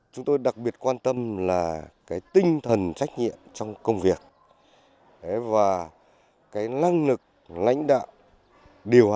chúng tôi đặc biệt quan tâm là tinh thần trách nhiệm trong công việc và lăng lực lãnh đạo